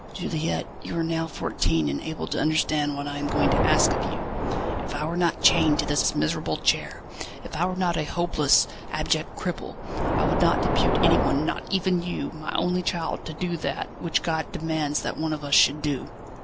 "Juliette, you are now fourteen, and able to understand what I am going to ask of you. If I were not chained to this miserable chair, if I were not a hopeless, abject cripple, I would not depute anyone, not even you, my only child, to do that, which God demands that one of us should do."